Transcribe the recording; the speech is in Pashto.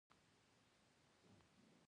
پامیر د افغانستان د شنو سیمو د ښکلا نښه ده.